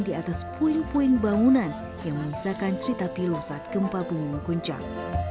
di atas puing puing bangunan yang mengisahkan cerita pilu saat gempa bunga mengguncang